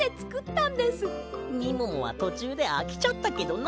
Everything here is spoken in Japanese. みももはとちゅうであきちゃったけどな。